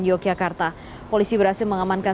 yogyakarta polisi berhasil mengemankan